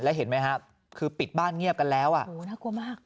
และเห็นมั้ยค่ะคือปิดบ้านเงียบกันแล้วโอ้โหน่ากลัวมาก